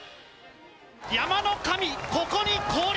山の神、ここに降臨。